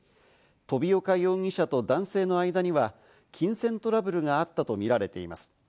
飛岡容疑者と男性の間には金銭トラブルがあったとみられています。